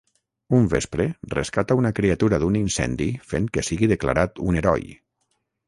Un vespre, rescata una criatura d’un incendi fent que sigui declarat un heroi.